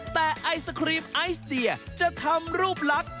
แต่ไอศครีมไอศเดียจะทำรูปลักษณ์